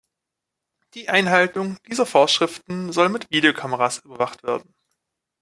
Die Einhaltung dieser Vorschriften soll mit Videokameras überwacht werden.